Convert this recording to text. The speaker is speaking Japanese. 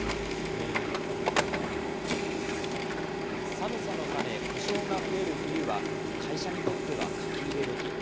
寒さのため、故障が増える冬は、会社にとっては書き入れ時。